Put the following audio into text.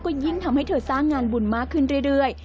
ก็ยิ่งทำให้เธอสร้างงานบุญมากขึ้นเรื่อย